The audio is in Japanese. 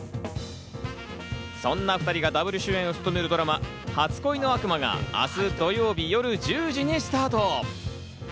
そんな２人がダブル主演を務めるドラマ『初恋の悪魔』が明日土曜日、夜１０時にスタート。